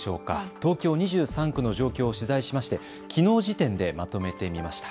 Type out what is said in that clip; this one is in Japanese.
東京２３区の状況を取材しましてきのう時点でまとめてみました。